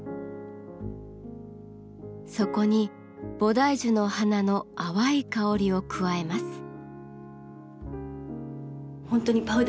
そこに菩提樹の花の淡い香りを加えます。